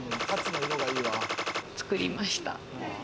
○○を作りました。